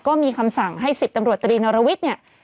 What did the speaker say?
ก็มีคำสั่งให้ศิษย์ตำรวจตรีนารวิทย์